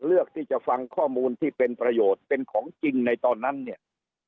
เลือกที่จะฟังข้อมูลที่เป็นประโยชน์เป็นของจริงในตอนนั้นเนี่ย